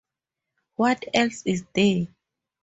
What Else Is There?